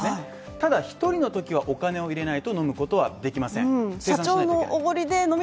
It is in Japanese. ただ１人のときはお金を入れないと飲むことはできません